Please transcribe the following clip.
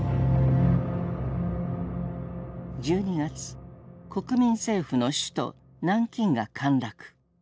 １２月国民政府の首都南京が陥落。